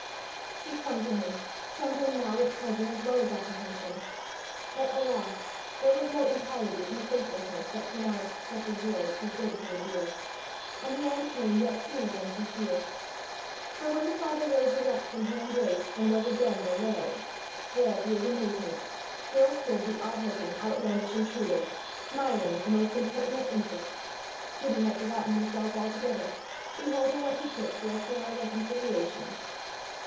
She clung to him, trembling now with pleasure as well as apprehension. But, alas! there was no impiety in the faithlessness that pronounced such a joy too good to endure, and the end came yet sooner than she feared. For, when the father rose erect from her embrace, and was again the laird, there, to his amazement, still stood the odd looking, outlandish intruder, smiling with the most impertinent interest! Gibbie had forgotten himself altogether, beholding what he took for a thorough reconciliation.